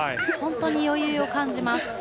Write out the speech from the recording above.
本当に余裕を感じます。